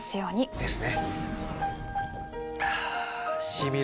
ですね。